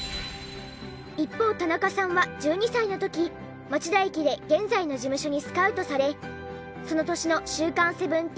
一方田中さんは１２歳の時町田駅で現在の事務所にスカウトされ。